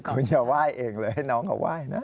คุณอย่าไหว้เองเลยให้น้องเขาไหว้นะ